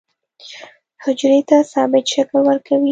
حجرې ته ثابت شکل ورکوي.